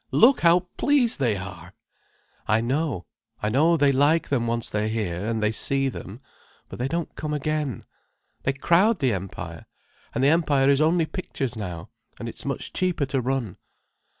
Look how pleased they are!" "I know. I know they like them once they're there, and they see them. But they don't come again. They crowd the Empire—and the Empire is only pictures now; and it's much cheaper to run."